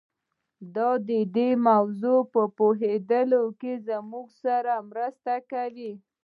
دا د دې موضوع په پوهېدو کې له موږ سره مرسته کوي.